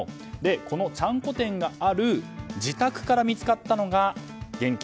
このちゃんこ店がある自宅から見つかったのが現金